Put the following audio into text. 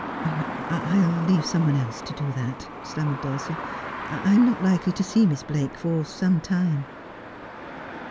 ' I will leave some one else to do that,' stammered Dulcie ;' I am not likely to see Miss Blake for some time.'